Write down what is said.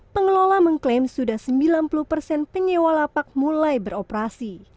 pengelola mengklaim sudah sembilan puluh persen penyewa lapak mulai beroperasi